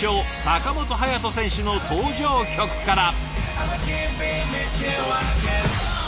坂本勇人選手の登場曲から。